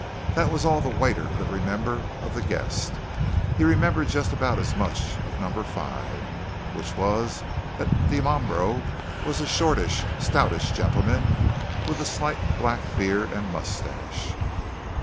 That was all the waiter could remember of the guest; he remembered just about as much of Number 5, which was that Dimambro was a shortish, stoutish gentleman, with a slight black beard and moustache.